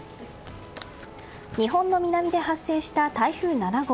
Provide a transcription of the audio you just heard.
日本の南で発生した台風７号。